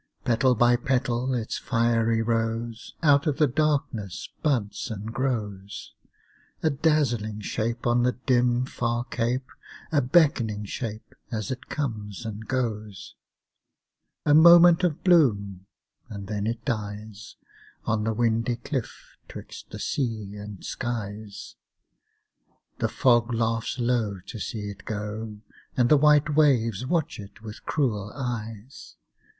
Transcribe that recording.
Petal by petal its fiery rose Out of the darkness buds and grows; A dazzling shape on the dim, far cape, A beckoning shape as it comes and goes. A moment of bloom, and then it dies On the windy cliff 'twixt the sea and skies. The fog laughs low to see it go, And the white waves watch it with cruel eyes.